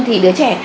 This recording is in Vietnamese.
thì đứa trẻ